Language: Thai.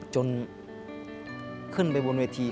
จนขึ้นไปบนวิธี